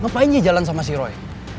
ngapain sih jalan sama si roy